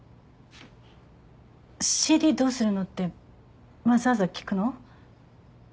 「ＣＤどうするの？」ってわざわざ聞くの？